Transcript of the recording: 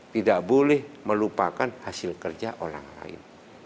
tidak boleh melupakan hasil kerja orang lain